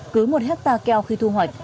cứ một hectare keo khi thu hoạch